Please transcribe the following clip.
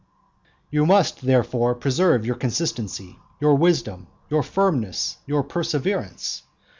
V. You must, therefore, preserve your consistency, your wisdom, your firmness, your perseverance.